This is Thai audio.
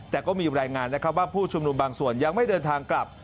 แต่ก็มีรายงานนะครับว่าผู้ชุมนุมบางส่วนยังไม่เดินทางกลับ